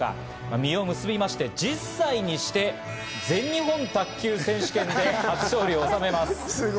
実を結びまして１０歳にして全日本卓球選手権で初勝利をおさめます。